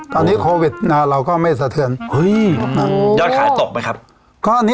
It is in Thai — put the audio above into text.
ตอนนี้โควิดนะเราก็ไม่สะเทือน